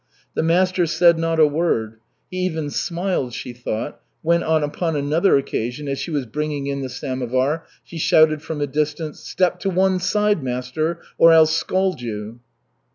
The master said not a word. He even smiled, she thought, when upon another occasion, as she was bringing in the samovar, she shouted from a distance, "Step to one side, master, or I'll scald you."